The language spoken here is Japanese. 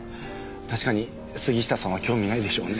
確かに杉下さんは興味ないでしょうね。